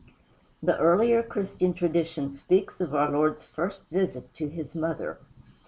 The earlier Christian tradition speaks of our Lord's first visit to his mother.